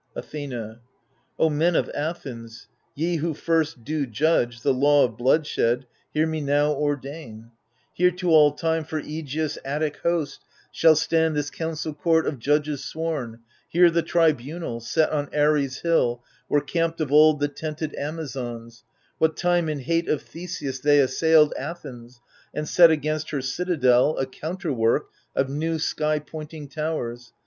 Athena O men of Athens, ye who first do judge The law of bloodshed, hear me now ordain. THE FURIES 167 Here to all time for JEgeus* Attic host ^ Shall stand this council court of judges sworn, Here the tribunal, set on Ares' Hill Where camped of old the tented Amazons, What time in hate of Theseus they assailed Athens, and set against her citadel A counterwork of new sky pointing towers.